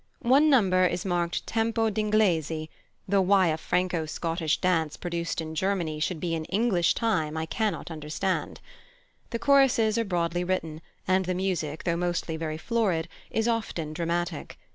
One number is marked tempo d' inglese, though why a Franco Scottish dance, produced in Germany, should be in English time I cannot understand. The choruses are broadly written, and the music, though mostly very florid, is often dramatic.